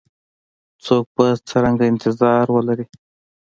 څوک به څرنګه انتظار ولري؟